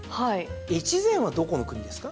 越前はどこの国ですか？